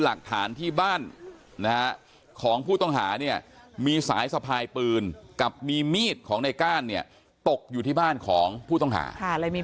หมูน่ะจิตว่องและสองคนนี้